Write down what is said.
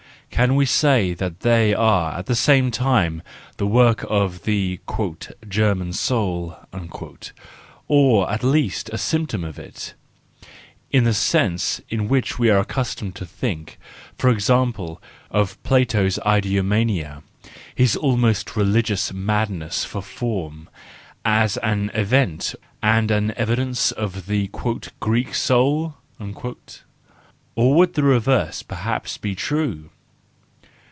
Can we say that they are at the same time the work of the " German soul/ 1 or at least a symptom of it, in the sense in which we are accustomed to think, for example, of Plato's ideomania, his almost religious madness for form, as an event and an evidence of the u Greek soul "? Or would the reverse perhaps be true?